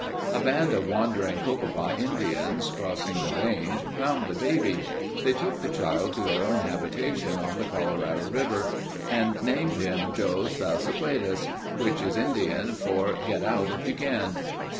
A band of wandering Cocopah Indians crossing the range, found the baby. They took the child to their own habitation on the Colorado river and named him Joe Salsuepuedes, which is Indian for "Get out if you can."